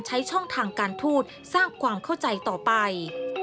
ใช้ช่องทางการทูตสร้างความเข้าใจต่อไป